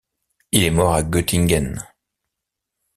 Il est mort à Göttingen.